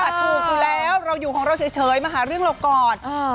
ถูกอยู่แล้วเราอยู่ของเราเฉยมาหาเรื่องเราก่อน